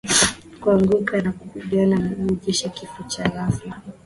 Kuanguka na kupigapiga miguu kisha kifo cha ghafla